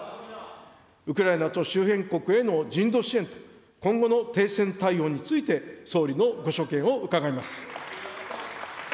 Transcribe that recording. ウクライナと周辺国への人道支援と、今後の停戦対応について、総理のご所見を伺います。